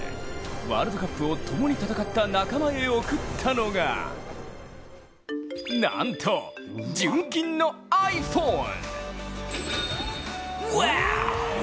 ワールドカップを共に戦った仲間へ贈ったのがなんと、純金のｉＰｈｏｎｅ。